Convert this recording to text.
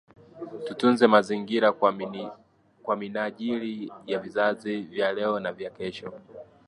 Tutunze mazingira kwa minajili ya vizazi vya leo na vya kesho